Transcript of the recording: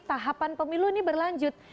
tahapan pemilu ini berlanjut